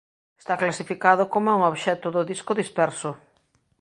Está clasificado coma un obxecto do disco disperso.